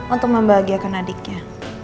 untuk membahagiakan adiknya